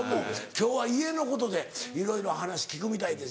今日は家のことでいろいろ話聞くみたいです。